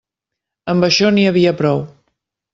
Amb això n'hi havia prou.